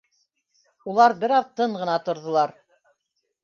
Улар бер аҙ тын ғына торҙолар.